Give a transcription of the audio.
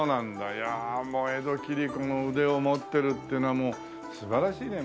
いやあもう江戸切子の腕を持ってるっていうのはもう素晴らしいね